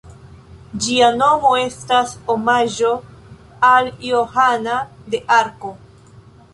Ĝia nomo estas omaĝo al Johana de Arko.